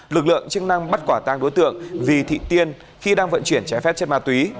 lực lượng chức năng bắt quả tang đối tượng vì thị tiên khi đang vận chuyển trái phép chất ma túy